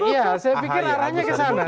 iya saya pikir arahnya ke sana